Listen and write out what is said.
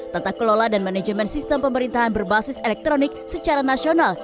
tata kelola dan manajemen sistem pemerintahan berbasis elektronik secara nasional